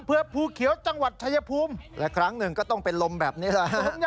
เพื่อภูเขียวจังหวัดชายภูมิและครั้งหนึ่งก็ต้องเป็นลมแบบนี้แหละฮะ